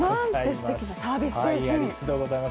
すてきなサービス精神！